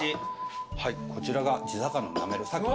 こちらが地魚のなめろう。